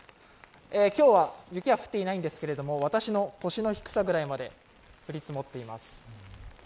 今日は雪は降っていないんですけれども私の腰の低さぐらいまで降り積もっています。